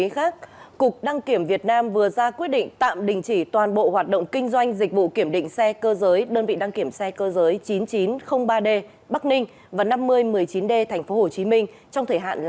chúc mừng năm mới